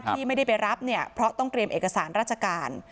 ที่ไม่ได้ไปรับเนี่ยเพราะต้องเตรียมเอกสารราชการ